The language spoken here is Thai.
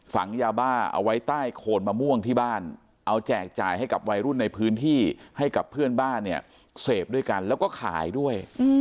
ฝังยาบ้าเอาไว้ใต้โคนมะม่วงที่บ้านเอาแจกจ่ายให้กับวัยรุ่นในพื้นที่ให้กับเพื่อนบ้านเนี่ยเสพด้วยกันแล้วก็ขายด้วย